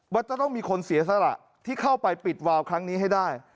ว่าจะต้องมีคนเสียสละที่เข้าไปปิดวาวครั้งนี้ให้ได้